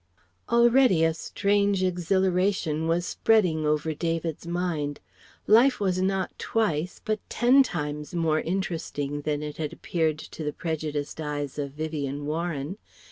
Already a strange exhilaration was spreading over David's mind. Life was not twice but ten times more interesting than it had appeared to the prejudiced eyes of Vivien Warren.